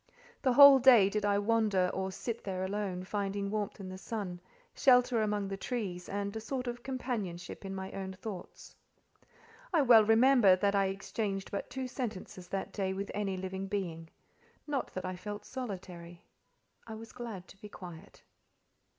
The whole day did I wander or sit there alone, finding warmth in the sun, shelter among the trees, and a sort of companionship in my own thoughts. I well remember that I exchanged but two sentences that day with any living being: not that I felt solitary; I was glad to be quiet.